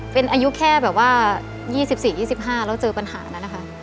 เป็นอายุแค่แบบว่า๒๔๒๕แล้วเจอปัญหานั้นนะคะ